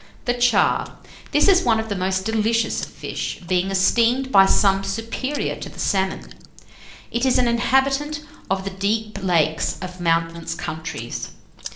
THE CHAR. This is one of the most delicious of fish, being esteemed by some superior to the salmon. It is an inhabitant of the deep lakes of mountainous countries.